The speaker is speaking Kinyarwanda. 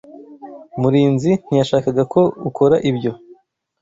Murinzi ntiyashakaga ko ukora ibyo.